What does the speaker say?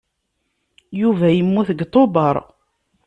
Yuba yemmut deg Tubeṛ.